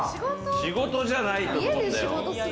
仕事じゃないと思うんだよ。